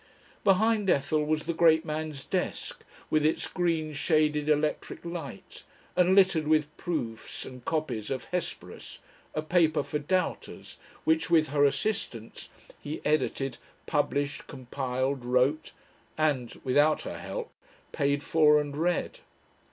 Behind Ethel was the great man's desk with its green shaded electric light, and littered with proofs and copies of Hesperus, "A Paper for Doubters," which, with her assistance, he edited, published, compiled, wrote, and (without her help) paid for and read.